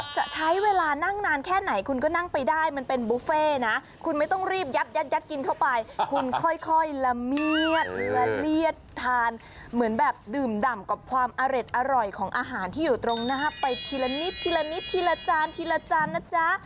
จะใช้เวลานั่งนานแค่ไหนคุณก็นั่งไปได้มันเป็นบุฟเฟ่นะคุณไม่ต้องรีบยัดกินเข้าไปคุณค่อยละเมียดละเลียดทานเหมือนแบบดื่มดำกับความอร่อยของอาหารที่อยู่ตรงหน้าไปทีละนิดทีละนิดทีละจานทีละจานนะจ๊ะ